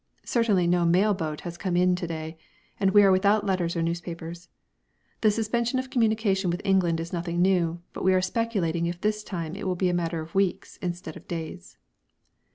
Certainly no mail boat has come in to day, and we are without letters or newspapers. The suspension of communication with England is nothing new, but we are speculating if this time it will be a matter of weeks instead of days.